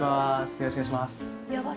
よろしくお願いします。